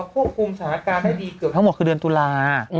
ควบคุมสถานการณ์ให้ดีเกือบทั้งหมดคือเดือนตุลา